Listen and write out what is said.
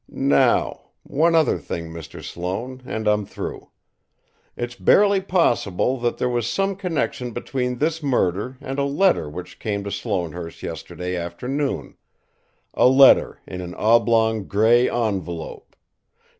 "Now, one other thing, Mr. Sloane, and I'm through. It's barely possible that there was some connection between this murder and a letter which came to Sloanehurst yesterday afternoon, a letter in an oblong grey envelope.